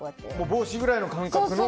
帽子ぐらいの感覚の？